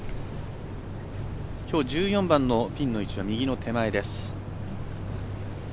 きょう、１４番のピンの位置は右の手前です。